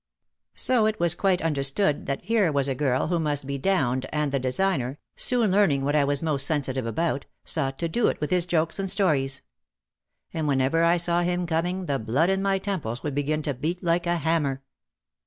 '* So it was quite understood that here was a girl who must be downed and the designer, soon learning what I was most sensitive about, sought to do it with his jokes and stories. And whenever I saw him coming the blood in my temples would begin to beat like a hammer.